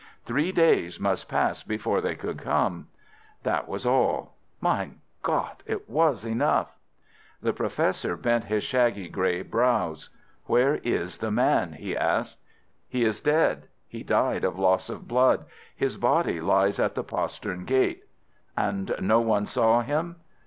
Three days must pass before they could come. That was all. Mein Gott! it was enough." The Professor bent his shaggy grey brows. "Where is the man?" he asked. "He is dead. He died of loss of blood. His body lies at the postern gate." "And no one saw him?"